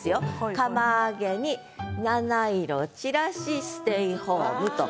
「釜揚げになないろ散らしステイホーム」と。